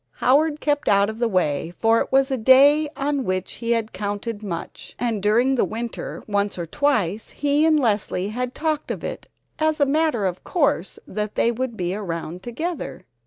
Howard kept out of the way, for it was a day on which he had counted much, and during the winter once or twice he and Leslie had talked of it as a matter of course that they would be around together.